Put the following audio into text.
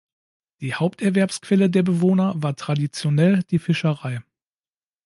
Die Haupterwerbsquelle der Bewohner war traditionell die Fischerei.